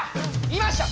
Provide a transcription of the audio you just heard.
いました！